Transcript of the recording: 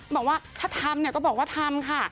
บอกว่าถ้าทำเนี่ยก็บอกว่าทำค่ะ